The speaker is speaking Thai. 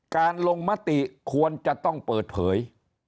การลงมติควรจะต้องเปิดเผย